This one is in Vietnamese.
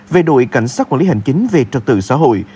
về đội cảnh sát quản lý hành chính về trật tự xã hội